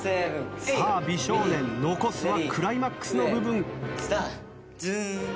さあ美少年残すはクライマックスの部分。